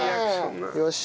よし。